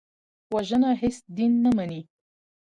وژنه هېڅ دین نه مني